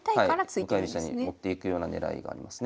向かい飛車に持っていくような狙いがありますね。